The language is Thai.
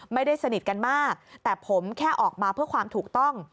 ไม่ได้สนิทกันมากแต่ผมแค่ออกมาเพื่อความถูกต้อง